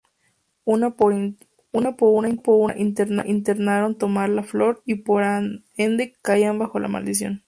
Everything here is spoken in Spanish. Una por una intentaron tomar la flor y por ende caían bajo la maldición.